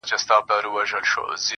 دريم ځل هم راځم له تا سره نکاح کومه~